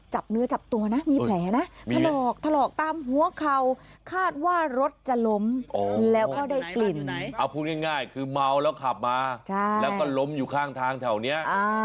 ใช่คือเมาแล้วขับมาแล้วก็ล้มอยู่ข้างทางแถวเนี้ย